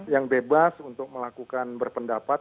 yang bebas untuk melakukan berpendapat